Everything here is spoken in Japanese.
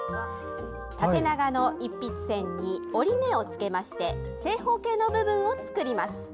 縦長の一筆せんに折り目をつけて正方形の部分を作ります。